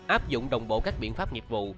áp dụng đồng bộ các biện pháp nghiệp vụ